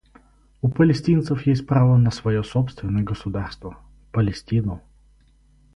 У палестинцев есть право на свое собственное государство — Палестину.